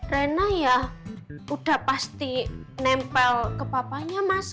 rena ya udah pasti nempel ke papanya mas